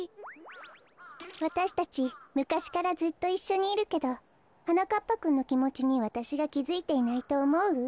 わたしたちむかしからずっといっしょにいるけどはなかっぱくんのきもちにわたしがきづいていないとおもう？